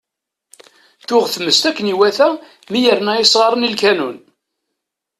Tuɣ tmes akken i iwata mi yerna isɣaren i lkanun.